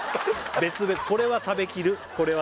別々これは食べきる